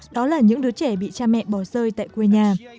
đó là những đứa trẻ bị cha mẹ bỏ rơi tại quê nhà